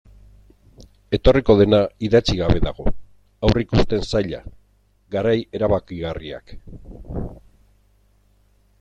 Etorriko dena idatzi gabe dago, aurreikusten zaila, garai erabakigarriak...